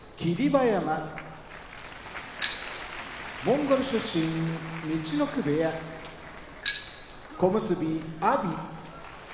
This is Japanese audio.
馬山モンゴル出身陸奥部屋小結・阿炎